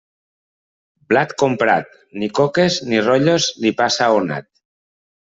Blat comprat, ni coques, ni rotllos, ni pa assaonat.